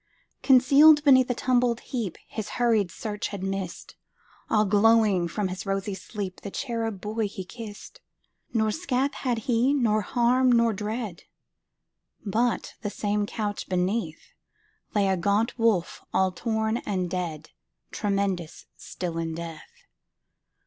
Concealed beneath a tumbled heapHis hurried search had missed, All glowing from his rosy sleep, The cherub boy he kissed. Nor scath had he, nor harm, nor dread, But, the same couch beneath, Lay a gaunt wolf, all torn and dead, Tremendous still in death.